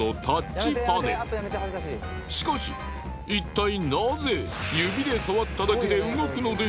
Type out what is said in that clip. しかしいったい。